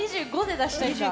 ２５で出したい。